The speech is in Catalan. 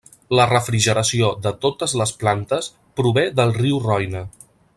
La refrigeració de totes les plantes prové del riu Roine.